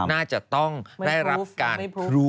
น่าจะต้องได้รับการรู้